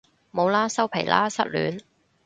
冇喇收皮喇失戀